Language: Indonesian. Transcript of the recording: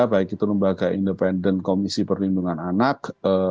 baik itu lembaga independen komisi perlindungan anak